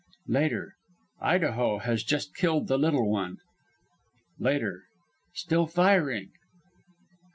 "Later. Idaho has just killed the Little One. "Later. Still firing.